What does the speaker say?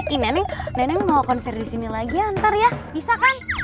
ih nenek mau konser di sini lagi ya ntar ya bisa kan